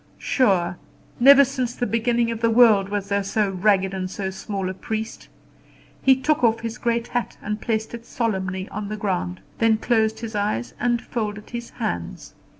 Sure, never since the beginning of the world was there so ragged and so small a priest. He took off his great hat and placed it solemnly on the ground, then closed his eyes and folded his hands.